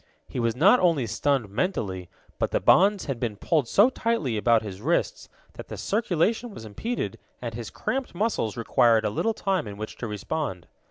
He was not only stunned mentally, but the bonds had been pulled so tightly about his wrists that the circulation was impeded, and his cramped muscles required a little time in which to respond.